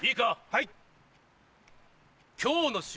はい！